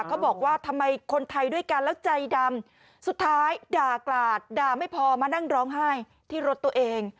เขาบอกว่าทำไมคนไทยด้วยกันแล้วใจดำสุดท้ายด่ากลาดด่าไม่พอมานั่งร้องไห้ที่รถตัวเอง